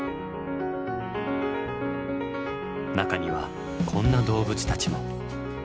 中にはこんな動物たちも。